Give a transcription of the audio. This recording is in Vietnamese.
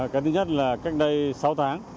cái thứ nhất là cách đây sáu tháng